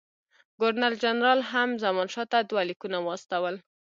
ګورنر جنرال هم زمانشاه ته دوه لیکونه واستول.